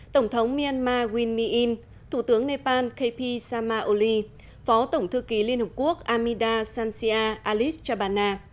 tổng thống myanmar win my in thủ tướng nepal kp sama oli phó tổng thư ký liên hợp quốc amida sancia alice chabana